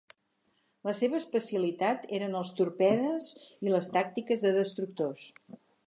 La seva especialitat eren els torpedes i les tàctiques de destructors.